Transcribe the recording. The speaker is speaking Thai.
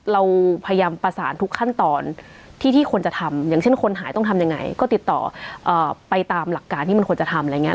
เราพยายามประสานทุกขั้นตอนที่ควรจะทำอย่างเช่นคนหายต้องทำยังไงก็ติดต่อไปตามหลักการที่มันควรจะทำอะไรอย่างนี้